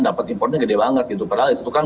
dapat impornya gede banget gitu padahal itu kan